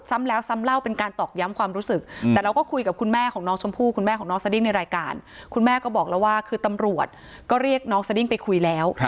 ซ้ำเล่าเป็นการตอกย้ำความรู้สึกแต่เราก็คุยกับคุณแม่ของน้องชมพู่คุณแม่ของน้องสดิ้งในรายการคุณแม่ก็บอกแล้วว่าคือตำรวจก็เรียกน้องสดิ้งไปคุยแล้ว